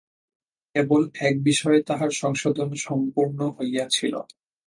কেবল এক বিষয়ে তাহার সংশোধন সম্পূর্ণ হইয়াছিল।